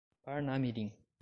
Parnamirim